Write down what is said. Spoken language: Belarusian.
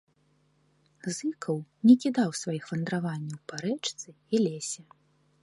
Зыкаў не кідаў сваіх вандраванняў па рэчцы і лесе.